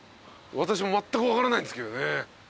私もまったく分からないんですけどね。